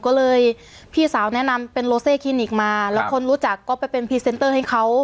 ก็บอกได้นะฮะ